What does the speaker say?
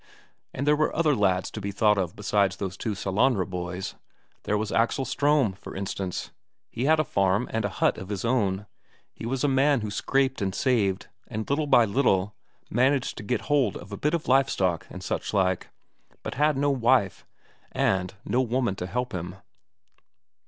And there were other lads to be thought of besides those two Sellanraa boys there was Axel Ström, for instance. He had a farm and a hut of his own, he was a man who scraped and saved and little by little managed to get hold of a bit of live stock and such like, but with no wife, and no woman to help him.